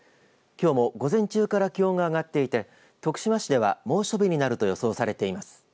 きょうも午前中から気温が上がっていて徳島市では猛暑日になると予想されています。